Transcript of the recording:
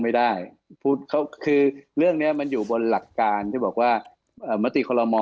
ไม่ได้พูดก็คือเรื่องนี้มันอยู่บนหลักการที่บอกว่ามติคอลโลมอ